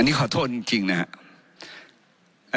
อันนี้ขอโทษจริงนะฮะ